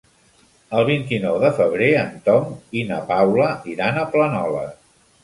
El vint-i-nou de febrer en Tom i na Paula iran a Planoles.